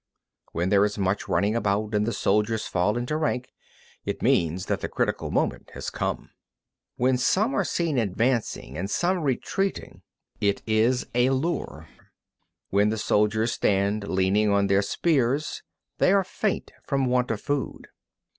27. When there is much running about and the soldiers fall into rank, it means that the critical moment has come. 28. When some are seen advancing and some retreating, it is a lure. 29. When the soldiers stand leaning on their spears, they are faint from want of food.